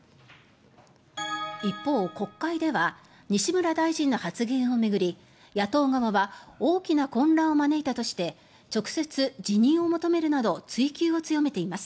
一方、国会では西村大臣の発言を巡り野党側は大きな混乱を招いたとして直接、辞任を求めるなど追及を強めています。